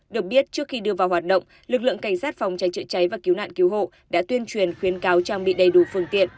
được biết trước khi đưa vào hoạt động lực lượng cảnh sát phòng cháy chữa cháy và cứu nạn cứu hộ đã tuyên truyền khuyến cáo trang bị đầy đủ phương tiện